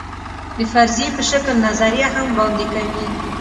د فرضیې په شکل نظریه هم وړاندې کوي.